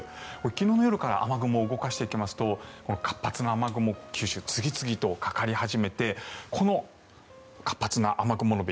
昨日の夜から雨雲を動かしていきますと活発な雨雲が九州に次々とかかり始めてこの活発な雨雲の帯